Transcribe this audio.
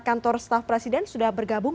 kantor staf presiden sudah bergabung